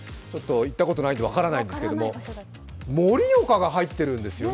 行ったことないんで分からないんですけど盛岡が入っているんです。